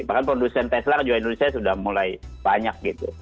bahkan produsen tesla juga indonesia sudah mulai banyak gitu